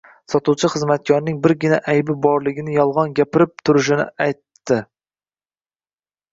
Sotuvchi xizmatkorning birgina aybi borliginiyolgʻon gapirib turishini aytibdi